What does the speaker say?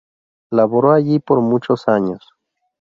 Laboró allí por muchos años.